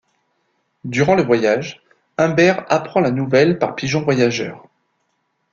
Durant le voyage, Humbert apprend la nouvelle par pigeons voyageurs.